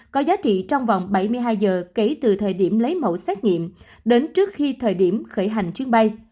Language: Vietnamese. có giá trị trong vòng bảy mươi hai giờ kể từ thời điểm lấy mẫu xét nghiệm đến trước khi thời điểm khởi hành chuyến bay